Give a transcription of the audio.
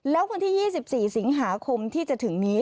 แล้ววันที่๒๔สิงหาคมที่จะถึงนี้